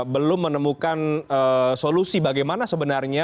belum menemukan solusi bagaimana sebenarnya